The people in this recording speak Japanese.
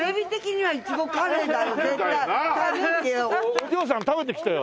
お嬢さん食べてきてよ。